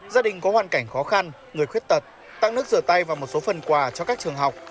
gia đình có hoàn cảnh khó khăn người khuyết tật tặng nước rửa tay và một số phần quà cho các trường học